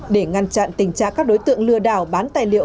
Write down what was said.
để ngăn chặn tình trạng các đối tượng lừa đảo bán tài liệu